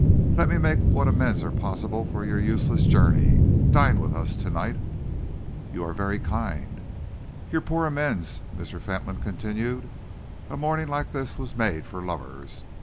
Let me make what amends are possible for your useless journey. Dine with us to night." "You are very kind." "A poor amends," Mr. Fentolin continued. "A morning like this was made for lovers.